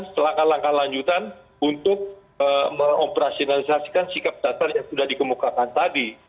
selangkah langkah lanjutan untuk mengoperasionalisasikan sikap dasar yang sudah dikemukakan tadi